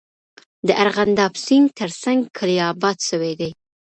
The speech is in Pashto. د ارغنداب سیند ترڅنګ کلي آباد سوي دي.